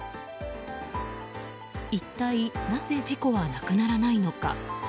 一体なぜ事故はなくならないのか。